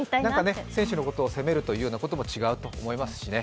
選手のことを責めるのも違うと思いますしね。